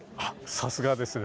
さすがですね。